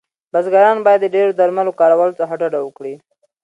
بزګران باید د ډیرو درملو کارولو څخه ډډه وکړی